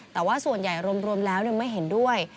แต่ว่าส่วนใหญ่รวมแล้วไม่เห็นด้วย